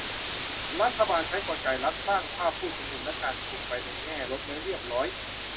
รัฐบาลใช้กลไกรัฐสร้างภาพผู้ชุมนุมและการชุมไปในแง่ลบแล้วเรียบร้อย